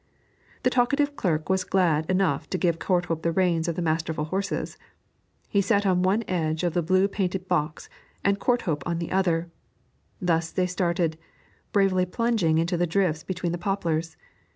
The talkative clerk was glad enough to give Courthope the reins of the masterful horses; he sat on one edge of the blue painted box and Courthope on the other; thus they started, bravely plunging into the drifts between the poplars.